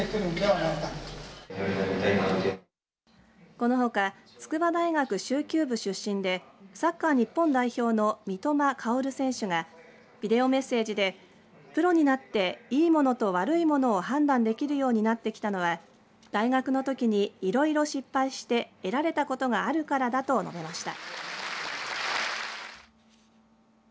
このほか筑波大学蹴球部出身でサッカー日本代表の三笘薫選手がビデオメッセージでプロになっていいものと悪いものを判断できるようになってきたのは大学のときにいろいろ失敗して得られたことがあるからだと述べました。